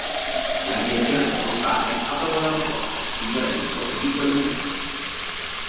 La direzione della Volkswagen approvò la proposta, suggerendo solo piccole modifiche.